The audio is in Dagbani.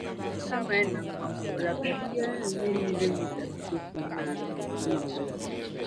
ka mali naŋgbankuɣila ka di yɛliŋ nyɛ milimita pisopɔinnaanu niŋ li.